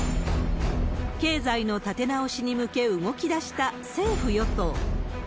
経済の立て直しに向け動きだした政府・与党。